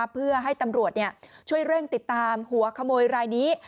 เพื่อให้ตำรวจช่วยเร่งติดตามหัวขโมยรายนี้